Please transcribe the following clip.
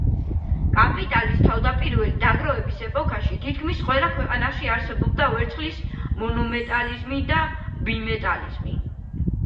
კაპიტალის თავდაპირველი დაგროვების ეპოქაში თითქმის ყველა ქვეყანაში არსებობდა ვერცხლის მონომეტალიზმი და ბიმეტალიზმი.